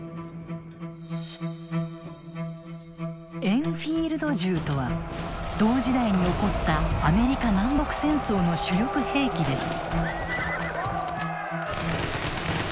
エンフィールド銃とは同時代に起こったアメリカ南北戦争の主力兵器です。